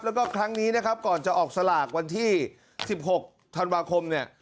แล้วก็ครั้งนี้นะครับก่อนจะออกสลากวันที่๑๖ธันวาคมเนี่ย